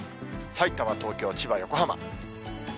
さいたま、東京、千葉、横浜。